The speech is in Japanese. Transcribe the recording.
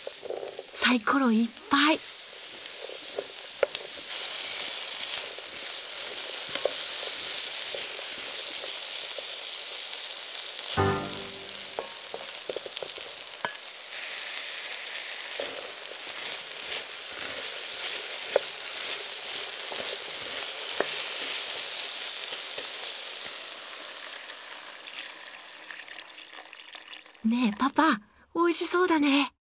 サイコロいっぱい！ねえパパおいしそうだね！